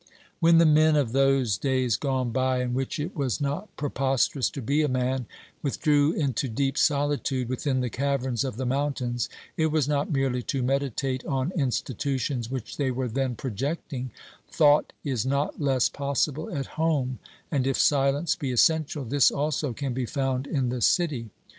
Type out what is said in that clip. When the men of those days gone by in which it was not preposterous to be a man, withdrew into deep solitude, within the caverns of the mountains, it was not merely to meditate on institutions which they were then projecting ; thought is not less possible at home, and if silence be essential, this also can be found in the city.